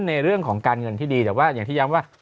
ในเรื่องของการเงินที่ดีแต่ว่าอย่างที่ย้ำว่า